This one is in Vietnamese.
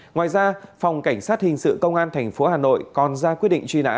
ngoài ra phòng cảnh sát hình sự công an tp hà nội còn ra quyết định truy nã